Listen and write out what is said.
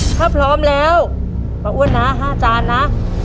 ถ้าพร้อมแล้วป้าอ้วนนะ๕จานนะ